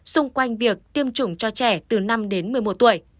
xung quanh việc tiêm chủng cho trẻ từ năm đến một mươi một tuổi